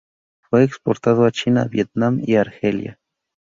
Fue exportado a China, Vietnam y Argelia.